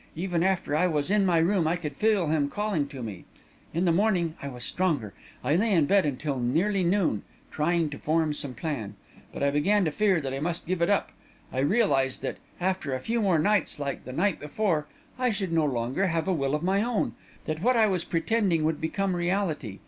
Even after I was in my room, I could feel him calling me. In the morning, I was stronger. I lay in bed until nearly noon, trying to form some plan; but I began to fear that I must give it up. I realised that, after a few more nights like the night before, I should no longer have a will of my own that what I was pretending would became reality.